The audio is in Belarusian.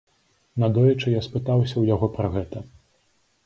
Надоечы я спытаўся ў яго пра гэта.